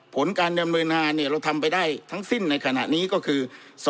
ผลการดำเนินงานเราทำไปได้ทั้งสิ้นในขณะนี้ก็คือ